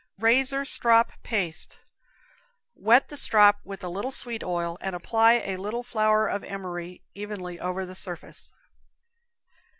Razor strop Paste. Wet the strop with a little sweet oil, and apply a little flour of emery evenly over the surface.